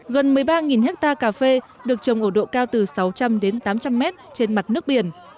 gần một mươi ba hectare cà phê được trồng ở độ cao từ sáu trăm linh đến tám trăm linh mét trên mặt nước biển